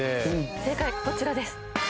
正解こちらです